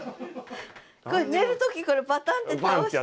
寝る時これパタンって倒して。